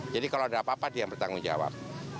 jadi kalau ada apa apa dia yang bertanggung jawab